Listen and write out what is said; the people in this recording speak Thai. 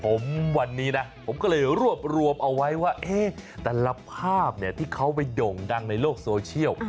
ผมวันนี้นะผมก็เลยรวบรวมเอาไว้ว่าแต่ละภาพที่เขาไปด่งดังในโลกโซเชียล